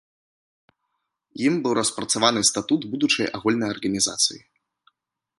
Ім быў распрацаваны статут будучай агульнай арганізацыі.